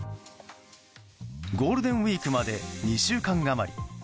ゴールデンウィークまで２週間余り。